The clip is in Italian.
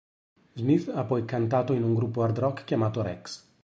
Smith ha poi cantato in un gruppo hard rock chiamato Rex.